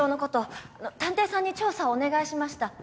探偵さんに調査をお願いしました。